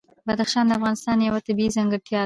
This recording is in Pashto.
بدخشان د افغانستان یوه طبیعي ځانګړتیا ده.